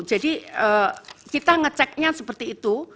jadi kita ngeceknya seperti itu